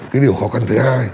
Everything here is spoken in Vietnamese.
cái điều khó khăn thứ hai